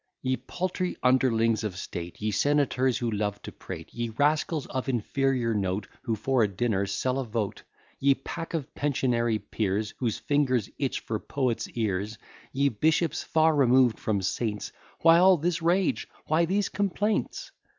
1733 Ye paltry underlings of state, Ye senators who love to prate; Ye rascals of inferior note, Who, for a dinner, sell a vote; Ye pack of pensionary peers, Whose fingers itch for poets' ears; Ye bishops, far removed from saints, Why all this rage? Why these complaints?